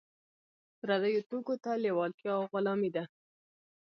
پردیو توکو ته لیوالتیا غلامي ده.